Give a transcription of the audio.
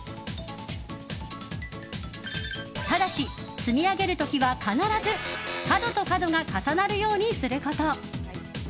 ただし積み上げる時は必ず角と角が重なるようにすること。